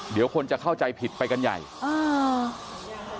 เดี๋ยวคนจะเข้าใจผิดไปกันใหญ่อ่า